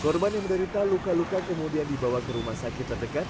korban yang menderita luka luka kemudian dibawa ke rumah sakit terdekat